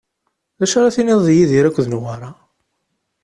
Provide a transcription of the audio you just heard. D acu ara tiniḍ di Yidir akked Newwara?